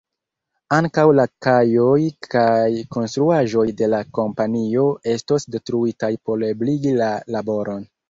Ankaŭ la kajoj kaj konstruaĵoj de la kompanio estos detruitaj por ebligi la laboron.